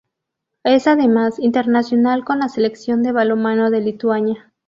Es además, internacional con la Selección de balonmano de Lituania.